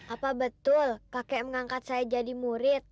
apa betul kakek mengangkat saya jadi murid